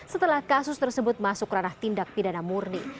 setelah kasus tersebut masuk ranah tindak pidana murni